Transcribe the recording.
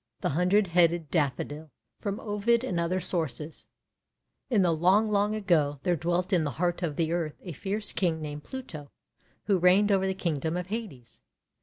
THE HUNDRED HEADED DAFFODIL From Ovid and Other Sources IN the long, long ago there dwelt in the heart of the earth a fierce King named Pluto, who reigned over the Kingdom of Hades.